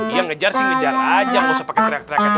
dia ngejar sih ngejar aja nggak usah pakai teriak teriak